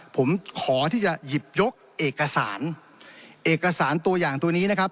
ผมขอที่จะหยิบยกเอกสารเอกสารตัวอย่างตัวนี้นะครับ